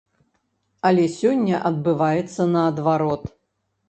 Але сёння адбываецца наадварот.